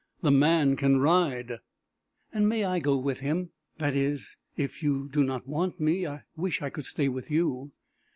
"The man can ride." "And may I go with him? that is, if you do not want me! I wish I could stay with you!"